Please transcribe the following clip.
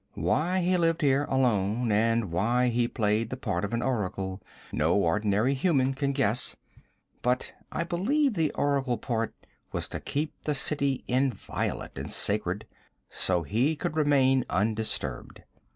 Why he lived here alone, and why he played the part of oracle no ordinary human can guess, but I believe the oracle part was to keep the city inviolate and sacred, so he could remain undisturbed.